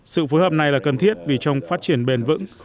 sự phối hợp này là cần thiết vì trong phát triển bền vững